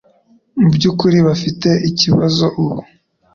Mubyukuri bafite ikibazo ubu.